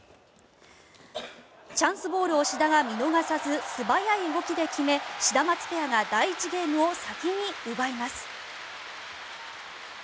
チャンスボールを志田が見逃さず素早い動きで決めシダマツペアが第１ゲームを先に奪います。